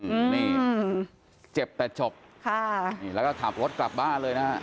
อืมนี่อืมเจ็บแต่จบค่ะนี่แล้วก็ขับรถกลับบ้านเลยนะฮะ